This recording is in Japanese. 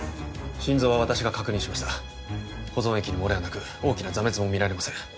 心臓は私が確認しました保存液に漏れはなく大きな挫滅も見られません